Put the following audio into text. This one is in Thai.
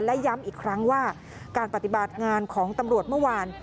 และย้ำอีกครั้งว่าการปฏิบัติงานของตำรวจเมื่อวาน